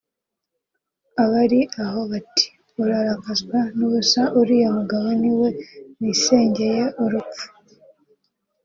abari aho bati “Urarakazwa n’ubusa uriya mugabo ni we wisengeye urupfu”